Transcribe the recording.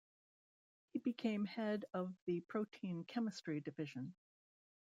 He became head of the Protein Chemistry division.